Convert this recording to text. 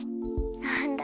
なんだ。